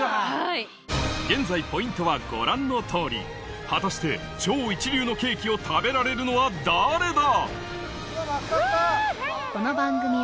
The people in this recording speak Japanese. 現在ポイントはご覧の通り果たして超一流のケーキを食べられるのは誰だ？